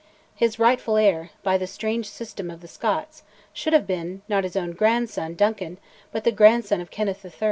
His rightful heir, by the strange system of the Scots, should have been, not his own grandson, Duncan, but the grandson of Kenneth III.